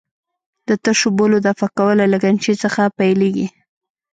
د تشو بولو دفع کول له لګنچې څخه پیلېږي.